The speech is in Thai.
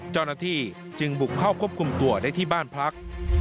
เจ้าหน้าที่จึงบุกเข้าควบคุมตัวได้ที่บ้านพัก